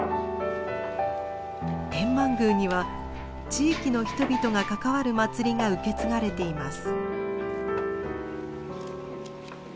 天満宮には地域の人々が関わる祭りが受け継がれています。